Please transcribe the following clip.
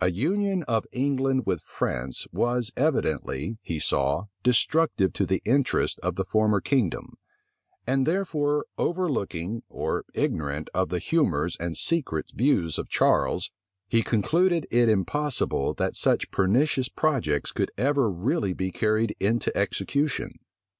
A union of England with France was evidently, he saw, destructive to the interests of the former kingdom; and therefore, overlooking or ignorant of the humors and secret views of Charles, he concluded it impossible that such pernicious projects could ever really be carried into execution.